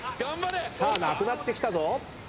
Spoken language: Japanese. さあなくなってきたぞ。